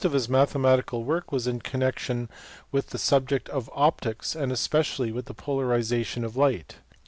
443 mathematical work was in connection with the subject of optics and especially the polarization of light.